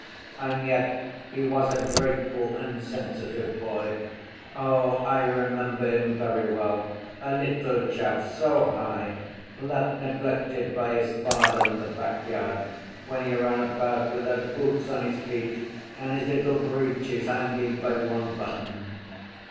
And yet he was a grateful and sensitive boy. Oh, I remember him very well, a little chap so high, left neglected by his father in the back yard, when he ran about without boots on his feet, and his little breeches hanging by one button."